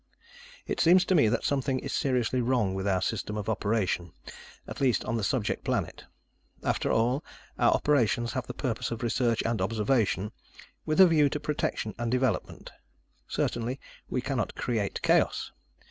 It seems to me that something is seriously wrong with our system of operation, at least on the subject planet. After all, our operations have the purpose of research and observation, with a view to protection and development. Certainly, we cannot create chaos.